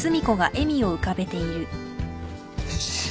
よし。